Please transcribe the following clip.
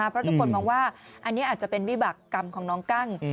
เพราะทุกคนมองว่าอันนี้อาจจะเป็นวิบัติกรรมของน้องกั้ง